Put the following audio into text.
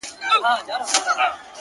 د زړگي شال دي زما پر سر باندي راوغوړوه.